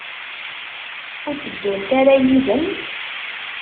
Ur tteddunt ara yid-m?